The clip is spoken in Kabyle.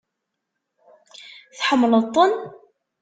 Tḥemmleḍ-ten?